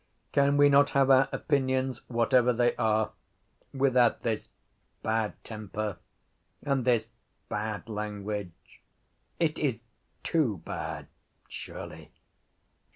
Can we not have our opinions whatever they are without this bad temper and this bad language? It is too bad surely.